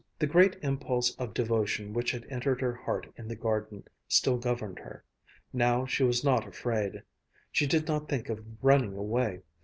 The great impulse of devotion which had entered her heart in the garden still governed her. Now she was not afraid. She did not think of running away.